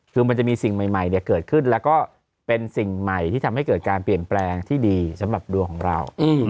คือมันจะมีสิ่งใหม่เกิดขึ้นแล้วก็เป็นสิ่งใหม่ที่ทำให้เกิดการเปลี่ยนแปลงที่ดีสำหรับดวงของเรา